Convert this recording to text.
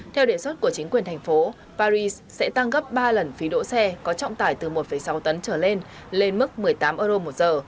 theo đề xuất của chính quyền thành phố paris sẽ tăng gấp ba lần phí đỗ xe có trọng tải từ một sáu tấn trở lên lên mức một mươi tám euro một giờ